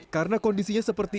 karena kondisinya seperti itu